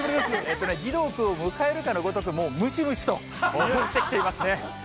義堂君を迎えるかのごとく、ムシムシとしてきてますね。